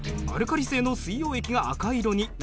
アルカリ性の水溶液が赤色に。